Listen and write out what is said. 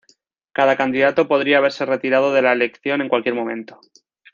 Cada candidato podría haberse retirado de la elección en cualquier momento.